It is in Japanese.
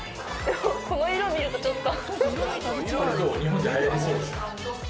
この色を見ると、ちょっと。